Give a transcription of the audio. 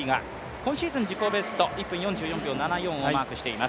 今シーズン自己ベスト１分４４秒７４をマークしています。